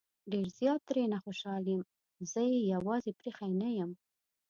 ډېر زيات ترې نه خوشحال يم زه يې يوازې پرېښی نه يم